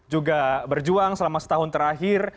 juga berjuang selama setahun terakhir